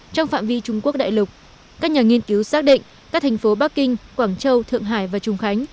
trong phạm vi trung quốc đại lục các nhà nghiên cứu xác định các thành phố bắc kinh quảng châu thượng hải và trung khánh